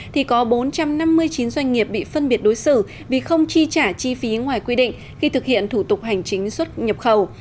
thì có bốn trăm năm mươi chín doanh nghiệp bị phân biệt đối xử vì không chi trả chi phí ngoài quy định khi thực hiện thủ tục hành chính xuất nhập khẩu